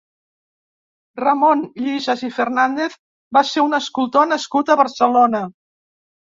Ramon Llisas i Fernàndez va ser un escultor nascut a Barcelona.